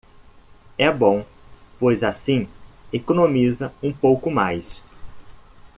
É bom, pois assim economiza um pouco mais